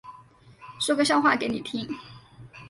说个笑话给你听